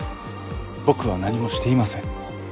僕は何もしていません。